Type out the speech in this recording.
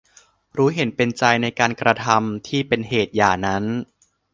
รู้เห็นเป็นใจในการกระทำที่เป็นเหตุหย่านั้น